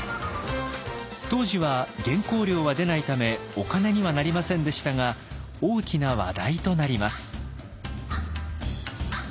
当時は原稿料は出ないためお金にはなりませんでしたが大きな話題となります。